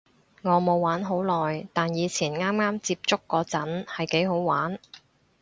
我冇玩好耐，但以前啱啱接觸嗰陣係幾好玩